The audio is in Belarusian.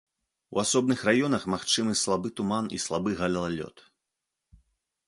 У асобных раёнах магчымы слабы туман і слабы галалёд.